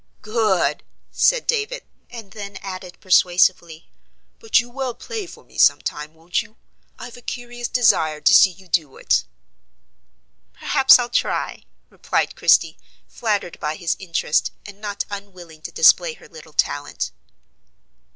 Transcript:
"Good!" said David, and then added persuasively: "But you will play for me some time: won't you? I've a curious desire to see you do it." "Perhaps I'll try," replied Christie, flattered by his interest, and not unwilling to display her little talent.